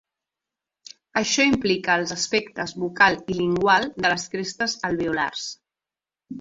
Això implica els aspectes bucal i lingual de les crestes alveolars.